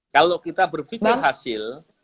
kalau kita berpikir hasil